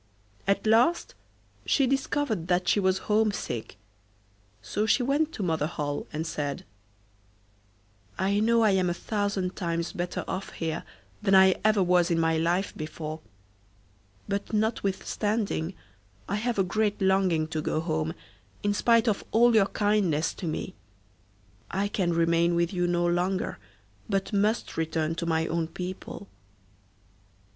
At last she discovered that she was homesick, so she went to Mother Holle and said: 'I know I am a thousand times better off here than I ever was in my life before, but notwithstanding, I have a great longing to go home, in spite of all your kindness to me. I can remain with you no longer, but must return to my own people.